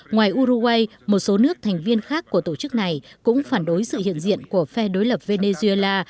ngoài uruguay một số nước thành viên khác của tổ chức này cũng phản đối sự hiện diện của phe đối lập venezuela